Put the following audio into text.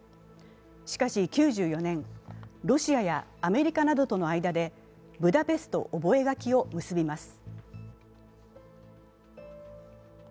しかし９４年、ロシアやアメリカなどとの間でブダペスト覚書を結びます。